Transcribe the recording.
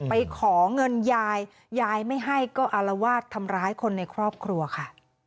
ไปขอเงินยายยายไม่ให้ก็อารวาสทำร้ายคนในครอบครัวค่ะ